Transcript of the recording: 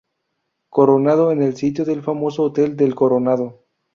Coronado es el sitio del famoso Hotel del Coronado.